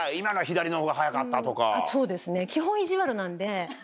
そうですね。